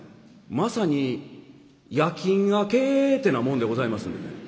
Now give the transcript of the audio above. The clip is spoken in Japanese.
まさに夜勤明けってなもんでございますんでね。